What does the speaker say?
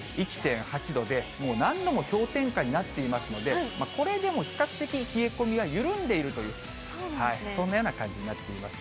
１．８度で、もう何度も氷点下になっていますので、これでも比較的冷え込みは緩んでいるという、そんなような感じになっています。